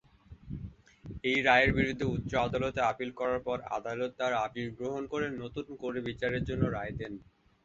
এই রায়ের বিরুদ্ধে উচ্চ আদালতে আপিল করার পর আদালত তার আপিল গ্রহণ করে নতুন করে বিচারের জন্য রায় দেন।